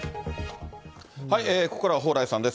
ここからは蓬莱さんです。